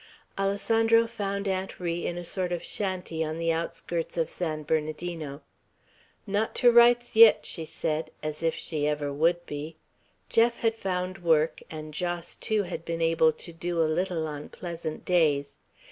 Alessandro found Aunt Ri in a sort of shanty on the outskirts of San Bernardino. "Not to rights yit," she said, as if she ever would be. Jeff had found work; and Jos, too, had been able to do a little on pleasant days.